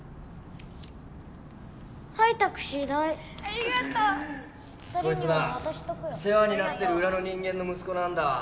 こいつな世話になってる裏の人間の息子なんだわ。